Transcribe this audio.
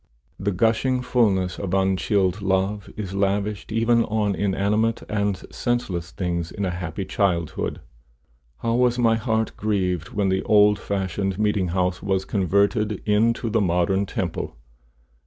The gushing fulness of unchilled love is lavished even on inanimate and senseless things, in a happy childhood. How was my heart grieved when the old fashioned meeting house was converted into the modern temple!